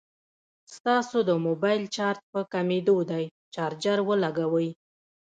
ستاسو د موبايل چارج په کميدو دی ، چارجر ولګوئ